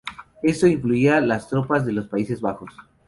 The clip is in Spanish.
Esto incluía las tropas de los Países Bajos.